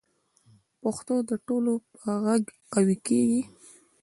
پښتو د ټولو په غږ قوي کېږي.